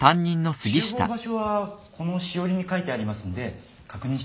集合場所はこのしおりに書いてありますんで確認しといてください。